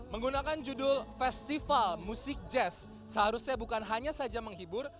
menggunakan judul festival musik jazz seharusnya bukan hanya saja menghibur